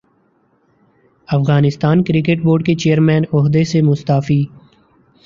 Afghanistan cricket board کے chairman عہدے سے مستعفی